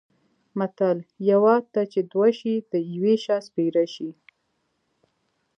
متل: یوه ته چې دوه شي د یوه شا سپېره شي.